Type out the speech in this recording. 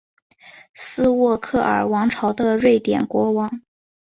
斯渥克尔王朝的瑞典国王。